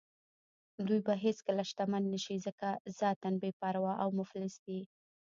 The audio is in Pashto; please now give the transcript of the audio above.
دوی به هېڅکله شتمن نه شي ځکه ذاتاً بې پروا او مفلس دي.